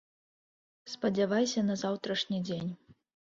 Спадзявайся на заўтрашні дзень.